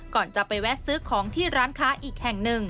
ก่อนจะไปแวะซื้อของที่ร้านค้าอีกแห่งหนึ่ง